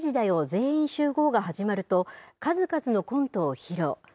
全員集合が始まると、数々のコントを披露。